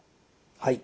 はい。